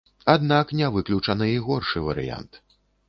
Аднак не выключаны і горшы варыянт.